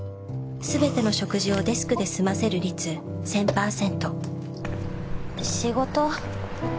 すべての食事をデスクで済ませる率１，０００％仕事？